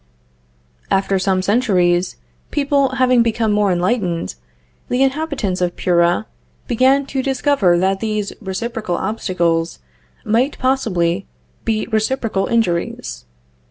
After some centuries, people having become more enlightened, the inhabitants of Puera began to discover that these reciprocal obstacles might possibly be reciprocal injuries.